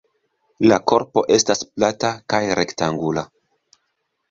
La korpo estas plata kaj rektangula.